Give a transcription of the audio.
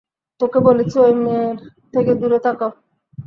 তোকে বলছি, ওই মেয়ের থেকে দূরে থাকো।